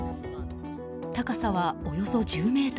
高さはおよそ１０ｍ。